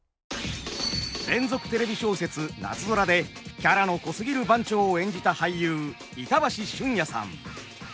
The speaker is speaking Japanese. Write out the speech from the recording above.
連続テレビ小説「なつぞら」でキャラの濃すぎる番長を演じた俳優板橋駿谷さん。